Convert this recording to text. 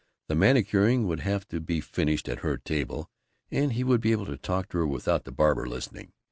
The manicuring would have to be finished at her table, and he would be able to talk to her without the barber listening.